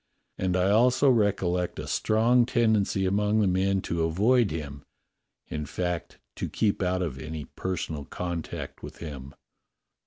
And I also recollect a strong tendency among the men to avoid him — in fact, to keep out of any personal contact with him."